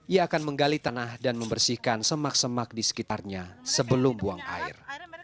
ia akan menggali tanah dan membersihkan semak semak di sekitarnya sebelum buang air